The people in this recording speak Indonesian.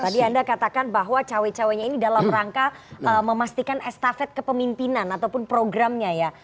tadi anda katakan bahwa cawe cawe nya ini dalam rangka memastikan estafet kepemimpinan ataupun programnya ya